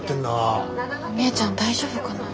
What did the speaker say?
お姉ちゃん大丈夫かな。